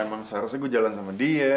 besok kita lens lagi ya